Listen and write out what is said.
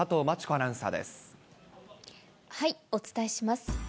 アお伝えします。